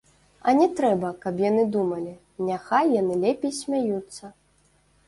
А не трэба, каб яны думалі, няхай яны лепей смяюцца.